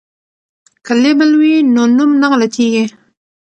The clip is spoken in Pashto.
که لیبل وي نو نوم نه غلطیږي.